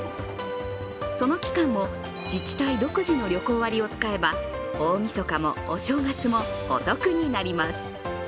その期間も自治体独自の旅行割を使えば大みそかもお正月もお得になります。